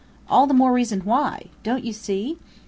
"All the more reason why. Don't you _see?